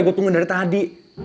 gue tunggu dari tadi